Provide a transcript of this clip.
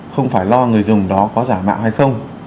không phải lo người dùng đó có giả mạo hay không